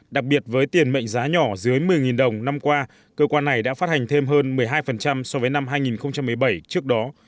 đặc biệt với tiền mệnh giá nhỏ dưới một mươi đồng năm qua cơ quan này đã phát hành thêm hơn một mươi hai so với năm hai nghìn một mươi bảy trước đó